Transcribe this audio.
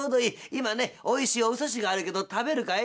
今ねおいしいおすしがあるけど食べるかい？」。